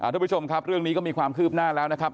ทุกผู้ชมครับเรื่องนี้ก็มีความคืบหน้าแล้วนะครับ